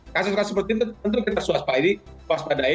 kasus kasus seperti itu tentu kita waspadai